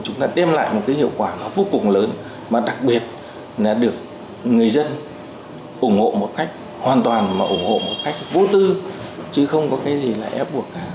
chúng ta đem lại một cái hiệu quả nó vô cùng lớn mà đặc biệt là được người dân ủng hộ một cách hoàn toàn mà ủng hộ một cách vô tư chứ không có cái gì là ép buộc cả